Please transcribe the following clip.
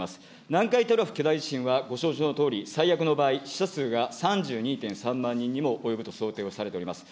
南海トラフ巨大地震は、ご承知のとおり、最悪の場合、死者数が３２．３万人にも及ぶと想定をされております。